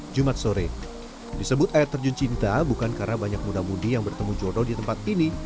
jumat sore disebut air terjun cinta bukan karena banyak muda mudi yang bertemu jodoh di tempat ini